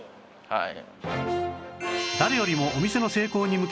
はい。